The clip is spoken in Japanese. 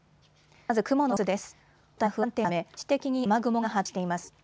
まず雲の様子です。